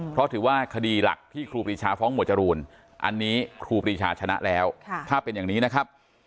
เพราะถือว่าคดีหลักที่ครูปรีชาฟ้องหมวดจรูนอันนี้ครูปรีชาชนะแล้วถ้าเป็นอย่างนี้นะครับ